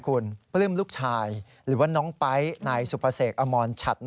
กรณีนี้ทางด้านของประธานกรกฎาได้ออกมาพูดแล้ว